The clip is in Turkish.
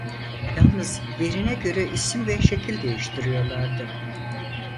Yalnız yerine göre isim ve şekil değiştiriyorlardı.